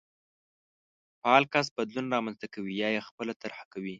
فعال کس بدلون رامنځته کوي يا يې خپله طرحه کوي.